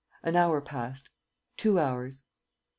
An hour passed, two hours.